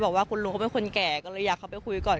บอกว่าคุณลุงเขาเป็นคนแก่ก็เลยอยากเข้าไปคุยก่อน